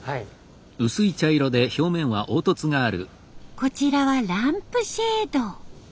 こちらはランプシェード。